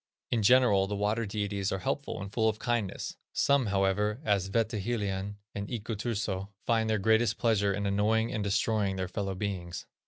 In general the water deities are helpful and full of kindness; some, however, as Wetehilien and Iku Turso, find their greatest pleasure in annoying and destroying their fellow beings.